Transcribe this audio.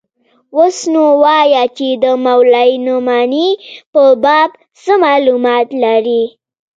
اوس نو وايه چې د مولوي نعماني په باب څه مالومات لرې.